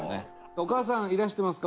お母さんいらしてますか？